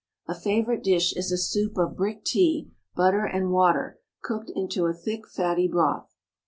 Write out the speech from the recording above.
A favorite dish is a soup of brick tea, but ter and water, cooked into a thick, fatty broth.